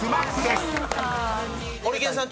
ホリケンさん。